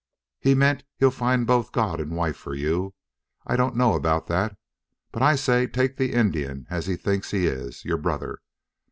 He meant he'll find both God and wife for you. I don't know about that, but I say take the Indian as he thinks he is your brother.